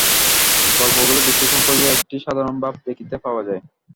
গল্পগুলি বিশ্লেষণ করিলে একটি সাধারণ ভাব দেখিতে পাওয়া যায়।